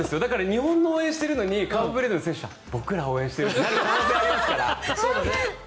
日本の応援をしてるのにカーボベルデの選手は僕らを応援してるってなる可能性もありますから。